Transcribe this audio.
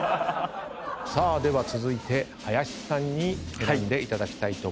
さあでは続いて林さんに選んでいただきたいと思います。